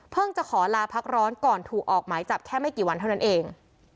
จะขอลาพักร้อนก่อนถูกออกหมายจับแค่ไม่กี่วันเท่านั้นเอง